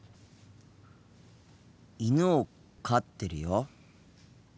犬を飼ってるよ。